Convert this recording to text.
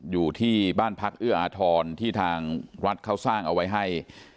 อยู่ที่บ้านพักเอื้ออาทรที่ทางวัดเขาสร้างเอาไว้ให้